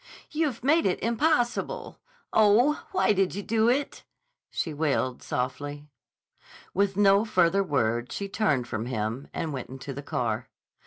"You've made it impossible. Oh, why did you do it?" she wailed softly. With no further word she turned from him and went into the car.